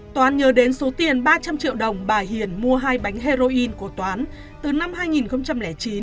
toán nhớ đến số tiền ba trăm linh triệu đồng bà hiền mua hai bánh heroin của toán từ năm hai nghìn chín